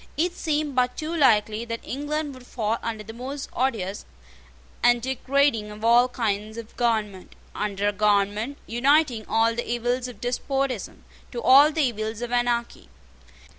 It seemed but too likely that England would fall under the most odious and degrading of all kinds of government, under a government uniting all the evils of despotism to all the evils of anarchy.